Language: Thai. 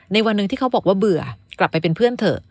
วันหนึ่งที่เขาบอกว่าเบื่อกลับไปเป็นเพื่อนเถอะ